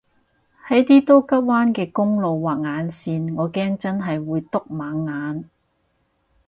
喺啲多急彎嘅公路畫眼線我驚真係會篤盲眼